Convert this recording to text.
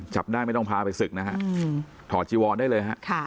จับได้ไม่ต้องพาไปศึกนะครับถอดจิวอลได้เลยครับ